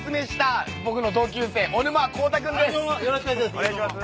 よろしくお願いします。